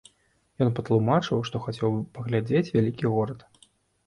Ён патлумачыў, што хацеў паглядзець вялікі горад.